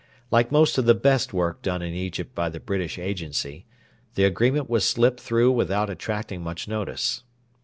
Like most of the best work done in Egypt by the British Agency, the Agreement was slipped through without attracting much notice.